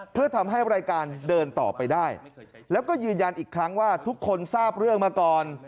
เพื่อทำให้รายการเดินต่อไปได้แล้วก็ยืนยันอีกครั้งว่าทุกคนทราบเรื่องมาก่อน